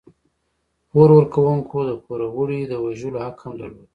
پور ورکوونکو د پوروړي د وژلو حق هم درلود.